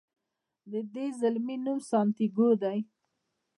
د دې زلمي نوم سانتیاګو دی.